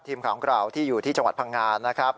ทีมข่าวของเราที่อยู่ที่จังหวัดพังงานะครับ